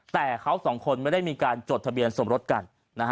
แต่เขาสองคนไม่ได้มีการจดทะเบียนสมรสกัน